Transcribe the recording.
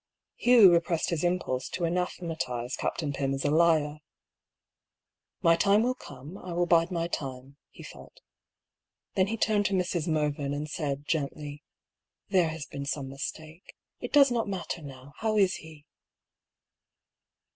Hugh repressed his impulse to anathematise Captain Pym as a liar. " My time will come ; I will bide my time," he thought. Then he turned to Mrs. Mervyn, and said, gently :" There has been some mistake. It does not matter now. How is he